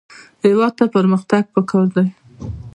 هېواد ته پرمختګ پکار دی